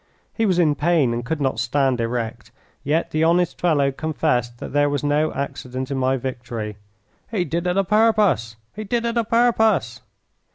He was in pain and could not stand erect, yet the honest fellow confessed that there was no accident in my victory. "He did it a purpose! He did it a purpose!"